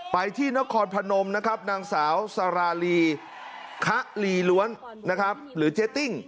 ไปที่นครพนมนะครับนางสาวสาราลีคะลีล้วนนะครับหรือเจ๊ติ้ง